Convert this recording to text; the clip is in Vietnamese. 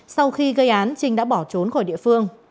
sau khi gây án trinh đã bỏ trốn khỏi địa phương